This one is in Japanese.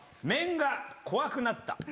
「面が怖くなった」